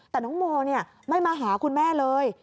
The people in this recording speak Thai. แต่น้องโมไม่มาหาคุณแม่เลย